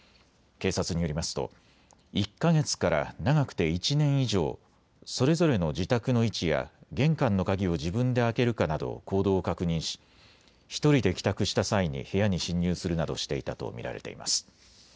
警察によりますと１か月から長くて１年以上、それぞれの自宅の位置や玄関の鍵を自分で開けるかなど行動を確認し１人で帰宅した際に部屋に侵入するなどしていたと見られています。